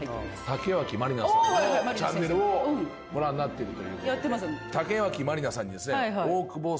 竹脇まりなさんのチャンネルをご覧になってると。